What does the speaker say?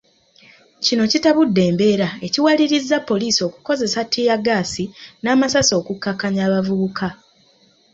Kino kitabudde embeera ekiwalirizza poliisi okukozesa ttiyaggaasi n’amasasi okukakkaanya abavubuka.